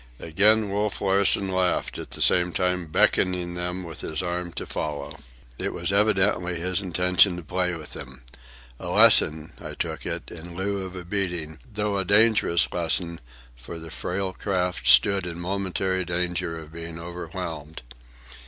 Again Wolf Larsen laughed, at the same time beckoning them with his arm to follow. It was evidently his intention to play with them,—a lesson, I took it, in lieu of a beating, though a dangerous lesson, for the frail craft stood in momentary danger of being overwhelmed.